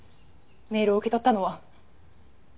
メールを受け取ったのは。